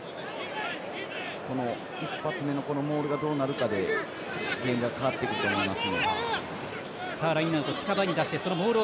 一発目のモールがどうなるかでゲームが変わってくると思います。